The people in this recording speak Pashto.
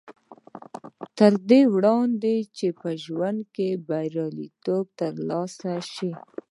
تر دې وړاندې چې په ژوند کې برياليتوب تر لاسه شي.